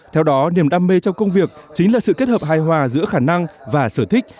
theo đó niềm đam mê trong công việc chính là sự kết hợp hài hòa giữa khả năng và sở thích